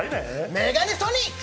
メガネソニック！